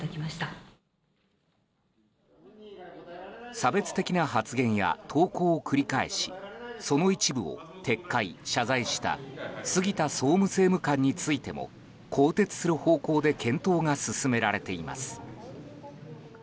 差別的な発言や投稿を繰り返しその一部を撤回・謝罪した杉田総務政務官についても更迭する方向で検討が進められています。